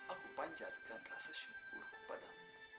aku panjatkan rasa syukur kepada